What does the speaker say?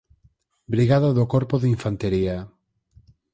Brigada do Corpo de Infantería.